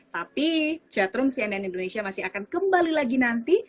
tapi chatroom cnn indonesia masih akan kembali lagi nanti